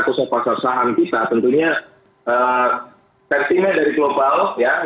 pasaran saham kita tentunya sentimen dari global